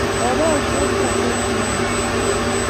Kobel chepkoset viazik